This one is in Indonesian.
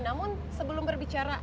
namun sebelum berbicara